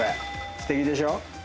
すてきでしょ？